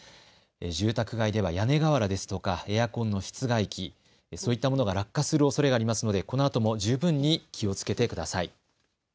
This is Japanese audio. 住宅街では屋根瓦ですとかエアコンの室外機、そういったものが落下するおそれがありますのでこのあとも十分に気をつけてください。